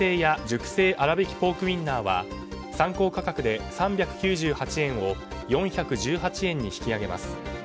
熟成あらびきポークウィンナーは参考価格で３９８円を４１８円に引き上げます。